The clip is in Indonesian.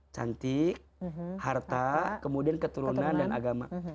cantik harta kemudian keturunan dan agama